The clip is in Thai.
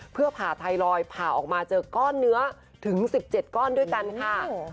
เพื่อผ่าไทรอยด์ผ่าออกมาเจอก้อนเนื้อถึง๑๗ก้อนด้วยกันค่ะ